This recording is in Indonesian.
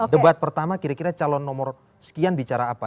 debat pertama kira kira calon nomor sekian bicara apa